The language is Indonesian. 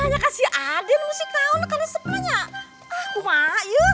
hanya si aden musik tahun kalau sebenarnya ah kumayu